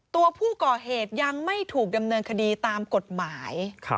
ตัวผู้ก่อเหตุยังไม่ถูกดำเนินคดีตามกฎหมาย